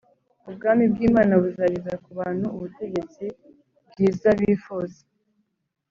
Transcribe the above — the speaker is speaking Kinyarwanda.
Ubwami bw’Imana buzageza ku bantu ubutegetsi bwiza bifuza